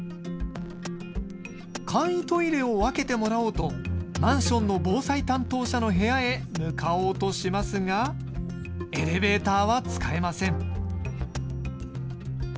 簡易トイレを分けてもらおうとマンションの防災担当者の部屋へ向かおうとしますがエレベーターは使えません。